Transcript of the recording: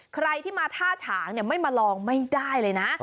ใครที่มาท่าฉางไม่มาลองไม่ได้เลยนะ